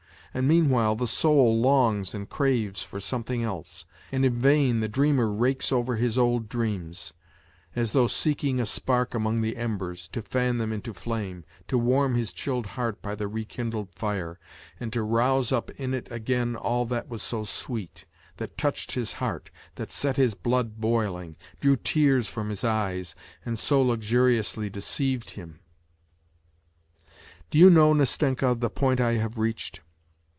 And meanwhile the soul longs and craves for something else ! And in vain the dreamer rakes over his old dreams, as though seeking a spark among the embers, to fan them into flame, to warm his chilled heart by the rekindled fire, and to rouse up in it again all that was so sweet, that touched his heart, that set his blood boiling, drew tears from his eyes, and so luxuriously deceived him ! Do you know, Nastenka, the point I have reached